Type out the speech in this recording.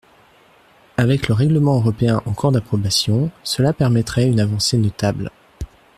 Avec le règlement européen en cours d’approbation, cela permettrait une avancée notable.